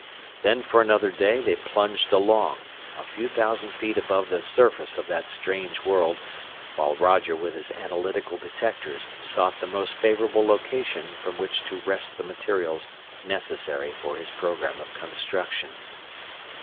Then for another day they plunged along, a few thousand feet above the surface of that strange world, while Roger with his analytical detectors sought the most favorable location from which to wrest the materials necessary for his program of construction.